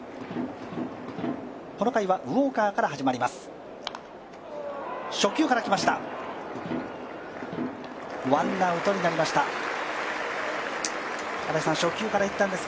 この回はウォーカーから始まります。